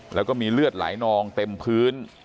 แล้วก็มีเลือดไหลนองเต็มพื้น